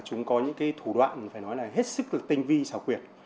chúng có những cái thủ đoạn phải nói là hết sức là tinh vi xảo quyệt